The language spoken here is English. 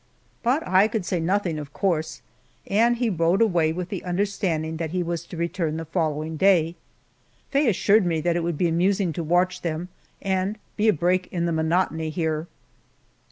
But I could say nothing, of course, and he rode away with the understanding that he was to return the following day. Faye assured me that it would be amusing to watch them, and be a break in the monotony here.